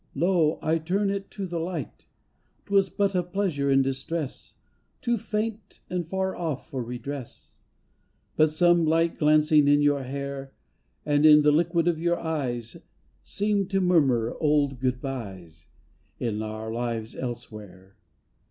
Lo! I turn it to the light. 'Twas but a pleasure in distress, Too faint and far off for redress. But some light glancing in your hair 245 246 LADY FAIR And in the liquid of your eyes Seem to murmur old good byes In our lives elsewhere.